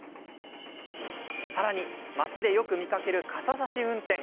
さらに、街でよく見かける傘差し運転。